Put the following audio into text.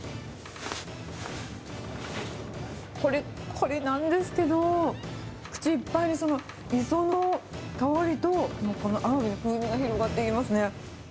こりっこりなんですけど、口いっぱいに磯の香りと、このアワビの風味が広がっていきますね。